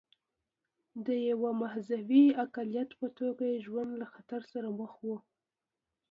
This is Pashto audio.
د یوه مذهبي اقلیت په توګه یې ژوند له خطر سره مخ و.